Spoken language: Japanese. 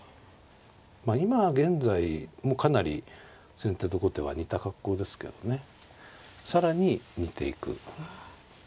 今現在もうかなり先手と後手は似た格好ですけどね更に似ていく。